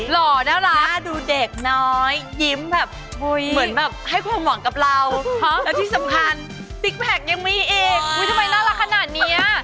หล่อน่ารักดูเด็กน้อยยิ้มแบบเหมือนแบบให้ความหวังกับเราแล้วที่สำคัญซิกแพคยังมีอีกทำไมน่ารักขนาดนี้